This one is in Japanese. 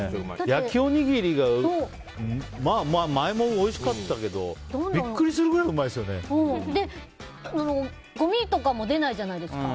焼きおにぎりが前もおいしかったけどビックリするぐらいごみとかも出ないじゃないですか。